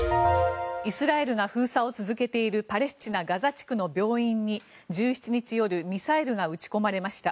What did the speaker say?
イスラエルが封鎖を続けているパレスチナ・ガザ地区の病院に１７日夜ミサイルが撃ち込まれました。